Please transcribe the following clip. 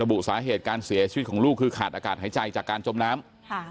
บุสาเหตุการเสียชีวิตของลูกคือขาดอากาศหายใจจากการจมน้ำ